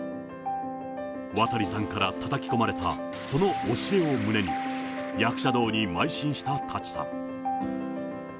渡さんからたたき込まれたその教えを胸に、役者道にまい進した舘さん。